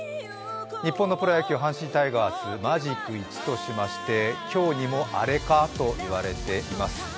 日本のプロ野球、阪神タイガースマジック１としまして今日にもアレか？といわれています。